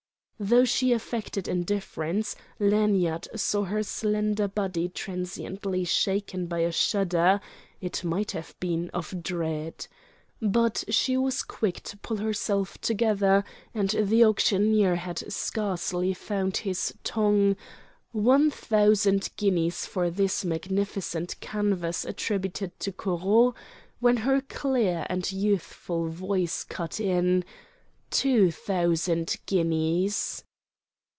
Though she affected indifference, Lanyard saw her slender body transiently shaken by a shudder, it might have been of dread. But she was quick to pull herself together, and the auctioneer had scarcely found his tongue—"One thousand guineas for this magnificent canvas attributed to Corot"—when her clear and youthful voice cut in: "Two thousand guineas!"